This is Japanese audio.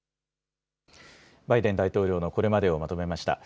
バイデン大統領のこれまでをまとめました。